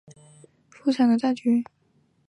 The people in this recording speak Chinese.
对于检察机关服务复工复产大局